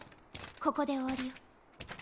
ここで終わりよ。